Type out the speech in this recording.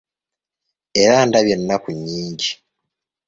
Era ndabye ennaku nyingi.